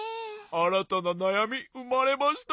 あらたななやみうまれました。